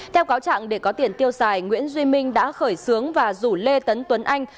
theo cáo trạng để có tiền tiêu xài nguyễn duy minh đã khởi xướng và rủ lê tấn tuấn anh